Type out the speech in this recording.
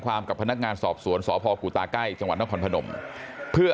กับพนักงานสอบสวนสพกุตาใกล้จังหวัดนครพนมเพื่อ